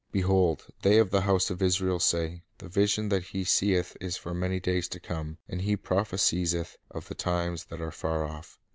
"Behold, they of the house of Israel say, The vision that he seeth is for many days to come, and he prophe sieth of the times that are far off.